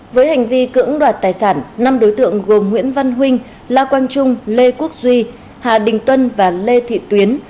với hành vi cưỡng đoạt tài sản năm đối tượng gồm nguyễn văn huynh la quang trung lê quốc duy hà đình tuân và lê thị tuyến